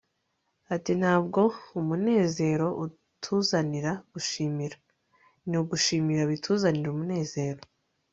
ati: ntabwo umunezero utuzanira gushimira. ni ugushimira bituzanira umunezero